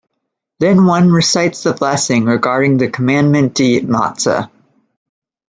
Then one recites the blessing regarding the commandment to eat Matzah.